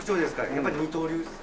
やっぱり二刀流です。